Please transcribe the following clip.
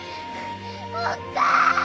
おっかあ！